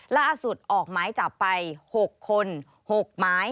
ล่าสุดออกไม้จับไป๖คน๖ไม้